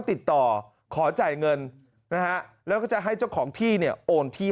ติดต่อขอจ่ายเงินนะฮะแล้วก็จะให้เจ้าของที่เนี่ยโอนที่